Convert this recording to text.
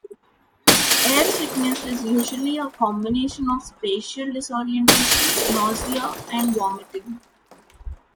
Airsickness is usually a combination of spatial disorientation, nausea and vomiting.